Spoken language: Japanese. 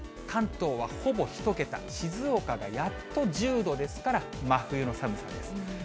関東はほぼ１桁、静岡がやっと１０度ですから、真冬の寒さです。